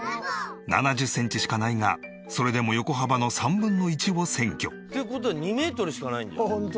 ７０センチしかないがそれでも横幅の３分の１を占拠。っていう事は２メートルしかないんじゃん。